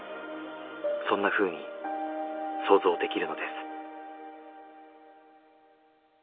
そんなふうに想像できるのです。